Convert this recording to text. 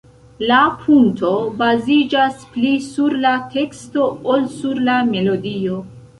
La "punto" baziĝas pli sur la teksto ol sur la melodio.